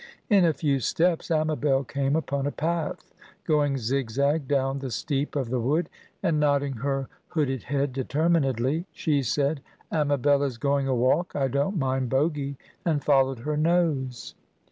In a few steps, Amabel came upon a path going zig zag down the steep of the wood, and, nodding her hooded head determinedly, she said, "Amabel is going a walk. I don't mind Bogy," and followed her nose.